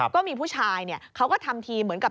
ก็มีผู้ชายเขาก็ทำทีเหมือนกับ